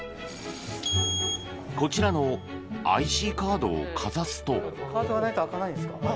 こちらのＩＣカードをかざすと。